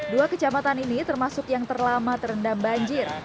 dua kecamatan ini termasuk yang terlama terendam banjir